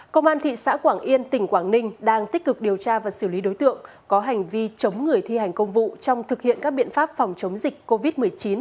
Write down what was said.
công an thị xã quảng yên tỉnh quảng ninh đang tích cực điều tra và xử lý đối tượng có hành vi chống người thi hành công vụ trong thực hiện các biện pháp phòng chống dịch covid một mươi chín